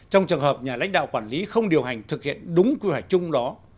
trong trường hợp nhà lãnh đạo quản lý không điều hành thực hiện đúng quy hoạch chung đó